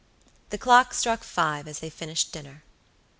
The clock struck five as they finished dinner.